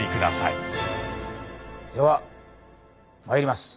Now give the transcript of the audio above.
ではまいります。